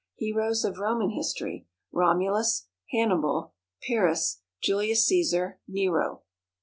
Heroes of Roman History. ROMULUS. HANNIBAL. PYRRHUS. JULIUS CÆSAR. NERO.